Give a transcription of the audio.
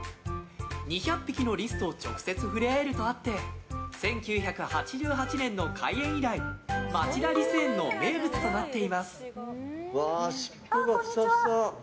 ２００匹のリスと直接触れ合えるとあって１９８８年の開園以来町田リス園の名物となっています。